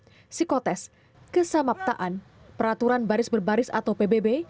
psikotest kesamaptaan peraturan baris berbaris atau pbb